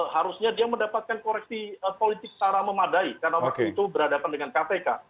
harusnya dia mendapatkan koreksi politik secara memadai karena waktu itu berhadapan dengan kpk